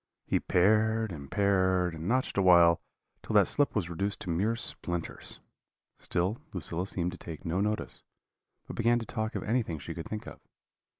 He pared and pared, and notched awhile, till that slip was reduced to mere splinters. Still Lucilla seemed to take no notice, but began to talk of anything she could think of.